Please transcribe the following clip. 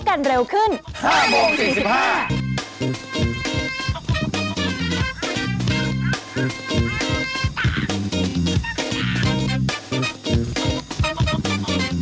ขอบคุณค่ะ